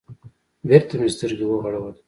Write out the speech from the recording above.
بېرته مې سترگې وغړولې.